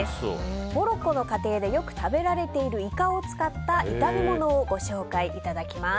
モロッコの家庭でよく食べられているイカを使った炒め物をご紹介いただきます。